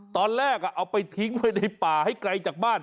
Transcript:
ตอนแรกเอาไปทิ้งไว้ในป่าให้ไกลจากบ้าน